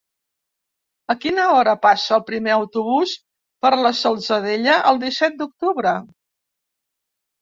A quina hora passa el primer autobús per la Salzadella el disset d'octubre?